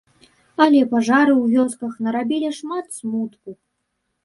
Але пажары ў вёсках нарабілі шмат смутку.